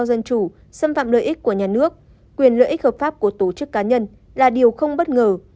dân chủ xâm phạm lợi ích của nhà nước quyền lợi ích hợp pháp của tổ chức cá nhân là điều không bất ngờ